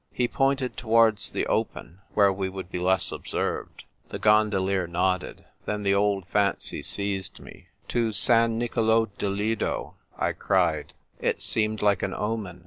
He pointed towards the open, where we would be less observed. The gondolier nodded. Then the old fancy seized me. " To San Nicolo di Lido !" I cried. It seemed like an omen.